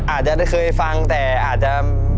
อาจจะได้เคยฟังแต่อาจจะ